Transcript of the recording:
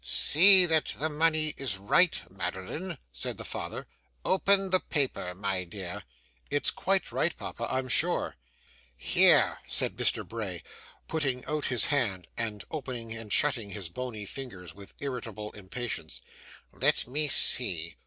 'See that the money is right, Madeline,' said the father. 'Open the paper, my dear.' 'It's quite right, papa, I'm sure.' 'Here!' said Mr. Bray, putting out his hand, and opening and shutting his bony fingers with irritable impatience. 'Let me see.